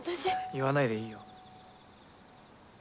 言わないでいいよ。